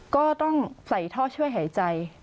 ก็ต้องใส่ท่อช่วยหายใจ